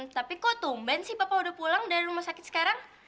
tapi kok tumban sih bapak udah pulang dari rumah sakit sekarang